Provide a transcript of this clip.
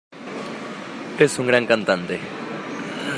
Es un gran cantante.